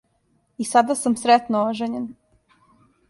И сада сам сретно ожењен.